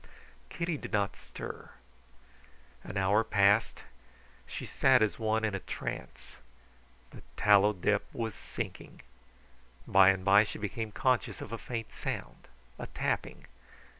Kitty did not stir. An hour passed; she sat as one in a trance. The tallow dip was sinking. By and by she became conscious of a faint sound, a tapping.